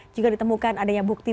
jika ditemukan adanya bukti